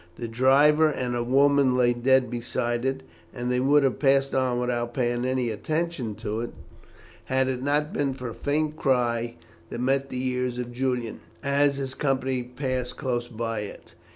The driver and a woman lay dead beside it, and they would have passed on without paying any attention to it, had it not been for a faint cry that met the ears of Julian, as his company passed close by it.